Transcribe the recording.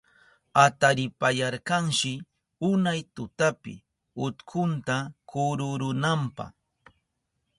Ataripayarkashi unay tutapi utkunta kururunanpa.